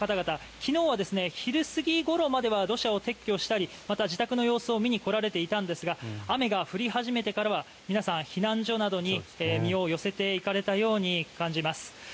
昨日は昼過ぎごろまでは土砂を撤去したり自宅の様子を見に来られていたんですが雨が降り始めてからは皆さん避難所などに身を寄せられたように感じます。